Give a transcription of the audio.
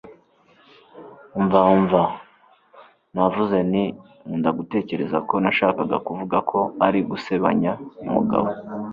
umva! umva! 'navuze nti nkunda gutekereza ko nashakaga kuvuga ko ari ugusebanya. umugabo